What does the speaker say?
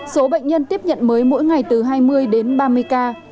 số bệnh nhân tiếp nhận mới mỗi ngày từ hai mươi đến ba mươi ca